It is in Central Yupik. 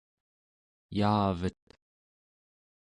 yaavet